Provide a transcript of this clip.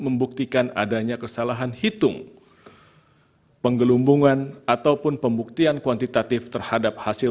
membuktikan adanya kesalahan hitung penggelumbungan ataupun pembuktian kuantitatif terhadap hasil